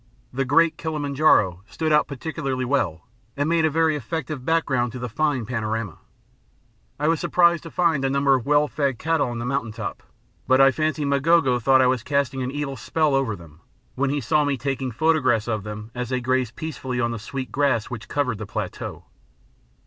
The great Kilima N'jaro stood out particularly well, and made a very effective background to the fine panorama. I was surprised to find a number of well fed cattle on the mountain top, but I fancy M'gogo thought I was casting an evil spell over them when he saw me taking photographs of them as they grazed peacefully on the sweet grass which covered the plateau.